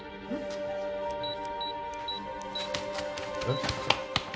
えっ？